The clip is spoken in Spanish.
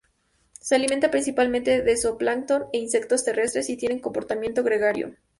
Se alimenta principalmente de zooplancton e insectos terrestres y tienen comportamiento gregario.